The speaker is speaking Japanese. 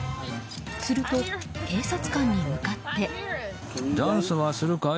すると、警察官に向かって。